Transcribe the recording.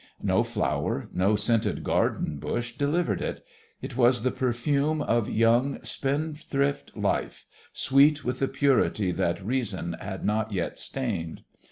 No flower, no scented garden bush delivered it. It was the perfume of young, spendthrift life, sweet with the purity that reason had not yet stained.